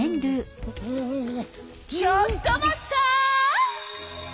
ちょっと待った！